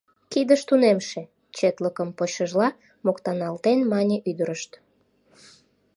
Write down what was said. — Кидыш тунемше, — четлыкым почшыжла, моктаналтен мане ӱдырышт.